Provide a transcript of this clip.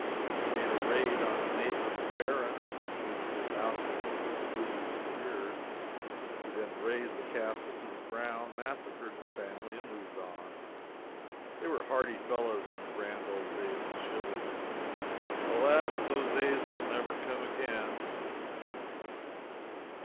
He made a raid on a neighboring baron and completed his outfit with the booty secured. He then razed the castle to the ground, massacred the family and moved on. They were hardy fellows in the grand old days of chivalry. Alas! Those days will never come again.